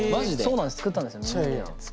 そうなんです作ったんですよ。